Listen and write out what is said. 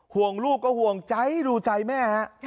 ห่วงลูกก็ห่วงใจดูใจแม่ฮะ